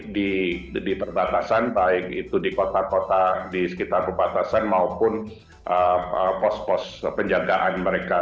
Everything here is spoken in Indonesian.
di perbatasan baik itu di kota kota di sekitar perbatasan maupun pos pos penjagaan mereka